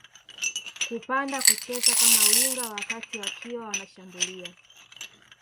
kupanda kucheza kama winga wakati wakiwa wanashambulia